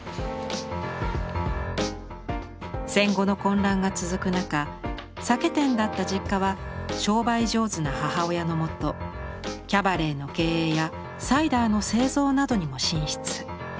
戦後の混乱が続く中酒店だった実家は商売上手な母親のもとキャバレーの経営やサイダーの製造などにも進出。